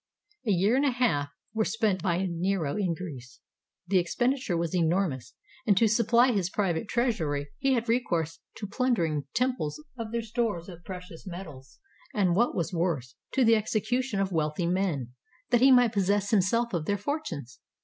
A year and a half were spent by Nero in Greece. The expenditure was enormous, and to supply his private treasury he had recourse to plundering temples of their stores of precious metal, and what was worse, to the execution of wealthy men, that he might possess himself of their fortunes.